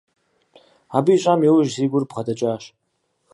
Абы ищӏам иужь си гур бгъэдэкӏащ.